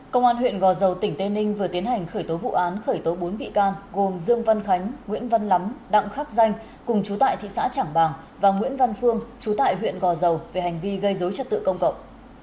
công an huyện gò dầu tỉnh tây ninh vừa tiến hành khởi tố vụ án khởi tố bốn bị can gồm dương văn khánh nguyễn văn lắm đặng khắc danh cùng chú tại thị xã trảng bàng và nguyễn văn phương chú tại huyện gò dầu về hành vi gây dối trật tự công cộng